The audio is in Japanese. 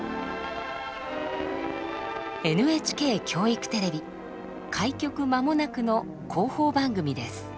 ＮＨＫ教育テレビ開局間もなくの広報番組です。